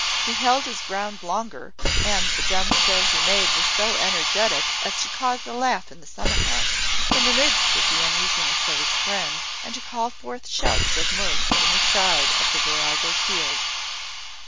He held his ground longer; and the dumb show he made was so energetic as to cause a laugh in the summer house, in the midst of the uneasiness of his friends, and to call forth shouts of mirth from the crowd at the virago's heels.